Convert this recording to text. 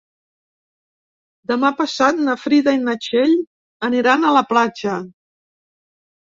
Demà passat na Frida i na Txell aniran a la platja.